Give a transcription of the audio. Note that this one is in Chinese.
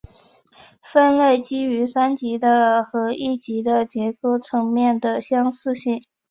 分类基于三级的和一级的结构层面的相似性。